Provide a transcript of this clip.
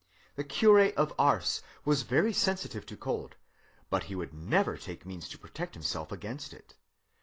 The Curé of Ars was very sensitive to cold, but he would never take means to protect himself against it.